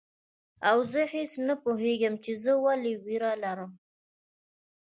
او زه هیڅ نه پوهیږم چي زه ولي ویره لرم